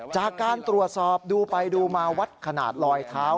จากการตรวจสอบดูไปดูมาวัดขนาดลอยเท้า